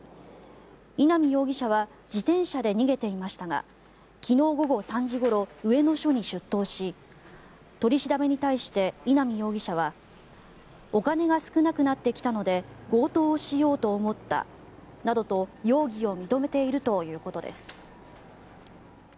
稲見容疑者は自転車で逃げていましたが昨日午後３時ごろ上野署に出頭し取り調べに対して稲見容疑者はお金が少なくなってきたので強盗をしようと思ったなどと容疑を認めているということです。